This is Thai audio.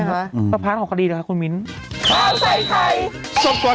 ว่าแบบจะอย่างไรแบบไหนใช่ไหมคะ